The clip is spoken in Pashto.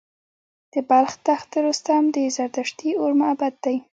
د بلخ تخت رستم د زردشتي اور معبد دی